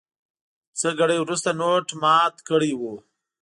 څه ګړی وروسته نوټ مات کړی و.